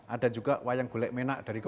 ada juga wayang gulek menak dari